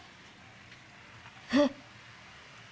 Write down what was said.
えっ。